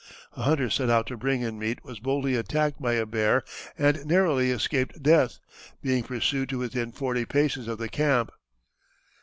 A hunter sent out to bring in meat was boldly attacked by a bear and narrowly escaped death, being pursued to within forty paces of the camp.